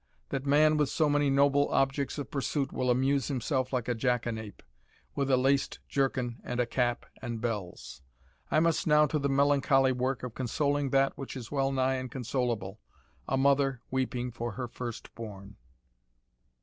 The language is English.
that man, with so many noble objects of pursuit, will amuse himself like a jackanape, with a laced jerkin and a cap and bells! I must now to the melancholy work of consoling that which is well nigh inconsolable, a mother weeping for her first born."